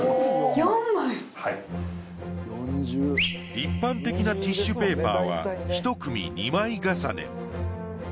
一般的なティッシュペーパーはひと組２枚重ね。